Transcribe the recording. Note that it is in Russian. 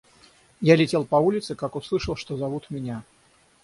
Я летел по улице, как услышал, что зовут меня.